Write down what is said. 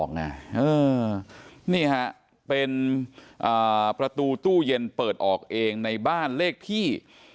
นี่ฮะเป็นประตูตู้เย็นเปิดออกเองในบ้านเลขที่